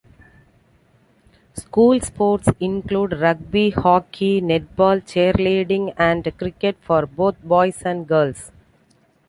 School sports include rugby, hockey, netball, cheerleading and cricket for both boys and girls.